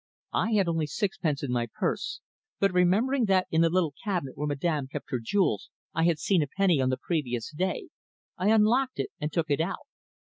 I had only sixpence in my purse, but remembering that in the little cabinet where Madame kept her jewels I had seen a penny on the previous day I unlocked it and took it out.